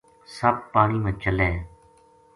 سپ پانی ما چلے